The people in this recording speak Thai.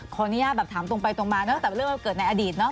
ขออนุญาตแบบถามตรงไปตรงมาเนอะแต่เรื่องว่าเกิดในอดีตเนอ